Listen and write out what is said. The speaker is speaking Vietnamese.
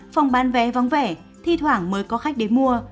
phòng bán vé vắng vẻ thi thoảng mới có khách đến mua